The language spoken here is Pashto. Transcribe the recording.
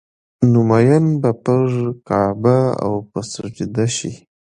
نو مين به پر کعبه او په سجده شي